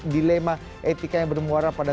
dilema etika yang bermuara pada